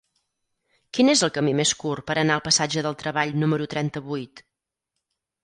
Quin és el camí més curt per anar al passatge del Treball número trenta-vuit?